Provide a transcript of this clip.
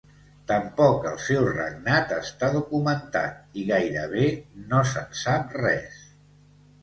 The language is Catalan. Tampoc el seu regnat està documentat i gairebé no se'n sap res.